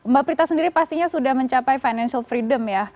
mbak prita sendiri pastinya sudah mencapai financial freedom ya